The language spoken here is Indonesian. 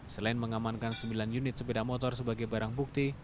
selain mengamankan sembilan unit sepeda motor sebagai barang bukti